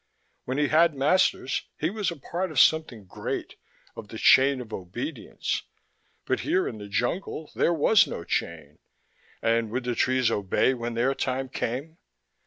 When he had masters, he was a part of something great, of the chain of obedience. But here, in the jungle, there was no chain (and would the trees obey when their time came?)